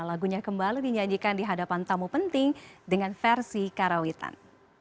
lagunya kembali dinyanyikan di hadapan tamu penting dengan versi karawitan